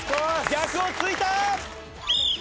逆を突いた。